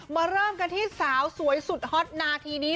เริ่มกันที่สาวสวยสุดฮอตนาทีนี้